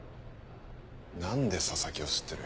何で佐々木を知ってる？